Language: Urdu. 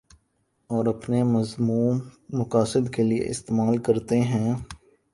اور اپنے مذموم مقاصد کے لیے استعمال کرتے ہیں